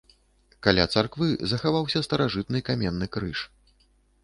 Каля царквы захаваўся старажытны каменны крыж.